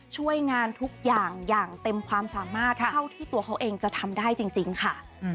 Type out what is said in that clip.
ช่วยงานทุกอย่างอย่างเต็มความสามารถเท่าที่ตัวเขาเองจะทำได้จริงค่ะ